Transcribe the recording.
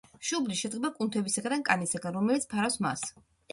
შუბლი შედგება კუნთებისაგან და კანისაგან, რომელიც ფარავს მას.